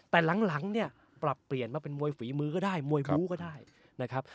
แต่หลังเนี่ยปรับเปลี่ยนมาเป็นมวยฝีมือก็ได้มวยบู้ก็ได้นะครับ